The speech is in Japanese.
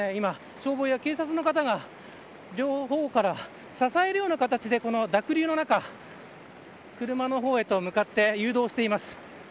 消防や警察の方が両方から支えるような形で濁流の中を車の方へと向かって誘導しています。